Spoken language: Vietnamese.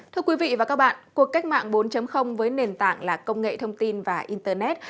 thưa quý vị và các bạn cuộc cách mạng bốn với nền tảng là công nghệ thông tin và internet